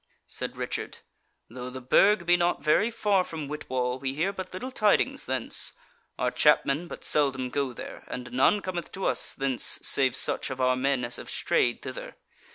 Said Richard: "Though the Burg be not very far from Whitwall, we hear but little tidings thence; our chapmen but seldom go there, and none cometh to us thence save such of our men as have strayed thither.